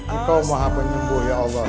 engkau maha penyembuh ya allah